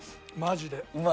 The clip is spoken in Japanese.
マジで。